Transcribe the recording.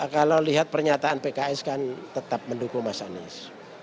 kalau lihat pernyataan pks kan tetap mendukung mas anies